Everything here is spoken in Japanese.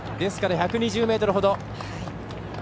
１２０ｍほど。